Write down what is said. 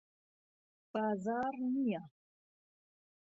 بازاڕ نییە.